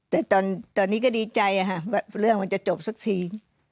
แต่ตอนนี้ก็ดีใจว่าเรื่องมันจะจบสักที